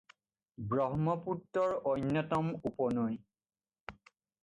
ব্ৰহ্মপুত্ৰৰ অন্যতম উপনৈ।